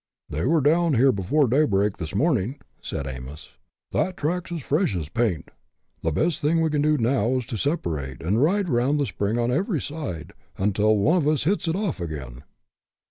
" They were down here before daybreak this morning," said Amos ;" that track's as fresh as paint. The best thing we can do now is to separate, and ride round the spring on every side, until one of us hits it off" again."